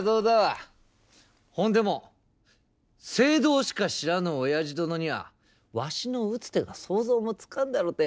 ほんでも正道しか知らぬオヤジ殿にはわしの打つ手が想像もつかんだろて。